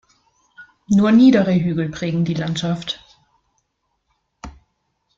Nur niedere Hügel prägen die Landschaft.